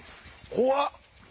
怖っ！